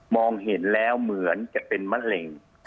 เห็นแล้วเหมือนจะเป็นมะเร็ง